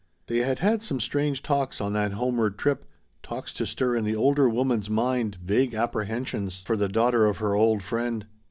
They had had some strange talks on that homeward trip, talks to stir in the older woman's mind vague apprehensions for the daughter of her old friend.